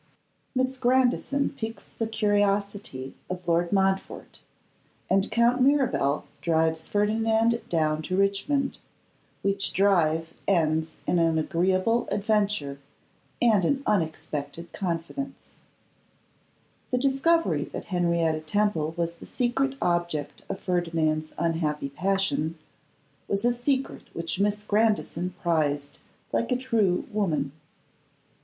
_Miss Grandison Piques the Curiosity of Lord Montfort, and Count Mirabel Drives Ferdinand Down to Richmond, Which Drive Ends in an Agreeable Adventure and an Unexpected Confidence_. THE discovery that Henrietta Temple was the secret object of Ferdinand's unhappy passion, was a secret which Miss Grandison prized like a true woman.